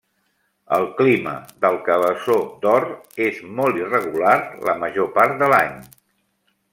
El clima del Cabeçó d'Or és molt irregular la major part de l'any.